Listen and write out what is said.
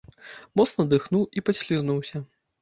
Моцна дыхнуў і паслізнуўся.